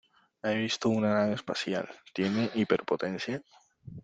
He visto una nave especial. ¿ Tiene hiperpotencia?